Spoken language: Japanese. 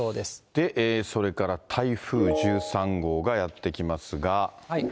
で、それから台風１３号がやって来ますが。